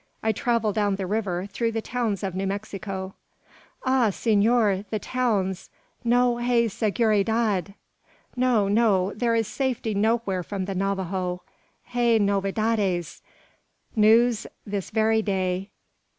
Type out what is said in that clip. I travel down the river, through the towns of New Mexico." "Ah! senor! the towns! no hay seguridad. No, no; there is safety nowhere from the Navajo. Hay novedades: news this very day.